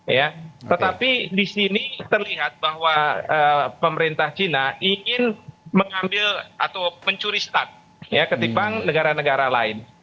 ya tetapi di sini terlihat bahwa pemerintah china ingin mengambil atau mencuri start ya ketipang negara negara lain